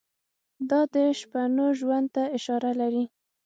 دا د شپنو ژوند ته اشاره لري.